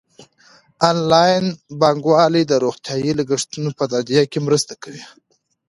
انلاین بانکوالي د روغتیايي لګښتونو په تادیه کې مرسته کوي.